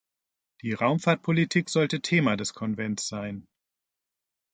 Die Raumfahrtpolitik sollte Thema des Konvents sein.